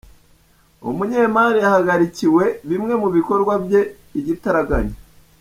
Umunyemari yahagarikiwe bimwe mu bikorwa bye igitaraganya